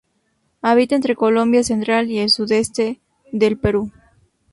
Habita entre Colombia central y el sudeste del Perú.